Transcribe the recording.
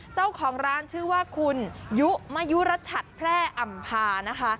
เจ้าของร้านชื่อว่าคุณยุมยุรชัดแพร่อำภานะคะ